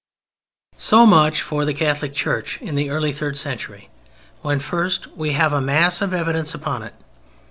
So much for the Catholic Church in the early third century when first we have a mass of evidence upon it.